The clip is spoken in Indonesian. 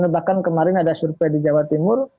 bahkan kemarin ada survei di jawa timur